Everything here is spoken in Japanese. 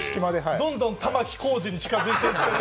どんどん玉置浩二に近づいてきているんで。